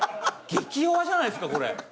激弱じゃないっすかこれ。